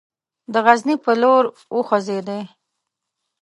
د غزني پر لور وخوځېدی.